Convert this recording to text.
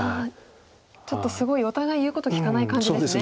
ちょっとすごいお互い言うこと聞かない感じですね。